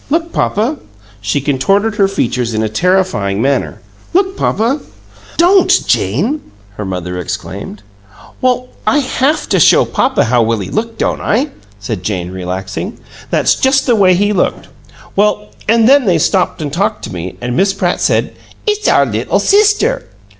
Look, papa!" She contorted her features in a terrifying manner. "Look, papa!" "Don't, Jane!" her mother exclaimed. "Well, I haf to show papa how Willie looked, don't I?" said Jane, relaxing. "That's just the way he looked. Well, an' then they stopped an' talked to me, an' Miss Pratt said, 'It's our little sister.'"